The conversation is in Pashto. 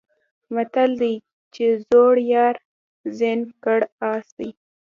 متل دی چې زوړ یار زین کړی آس دی.